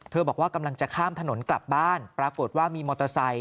บอกว่ากำลังจะข้ามถนนกลับบ้านปรากฏว่ามีมอเตอร์ไซค